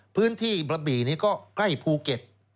พื้นที่กระบี่นี้ก็ใกล้ภูเก็ต